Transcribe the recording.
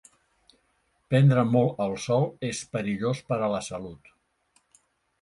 Prendre molt el sol és perillós per a la salut.